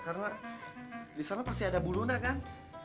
karena di sana pasti ada bu luna kan